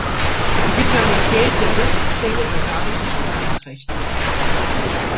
Die Vitalität der Wirtszelle wird dadurch nicht beeinträchtigt.